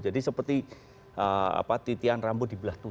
jadi seperti titian rambut di belah tujuh